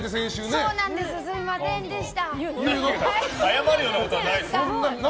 そうなんですすみませんでした。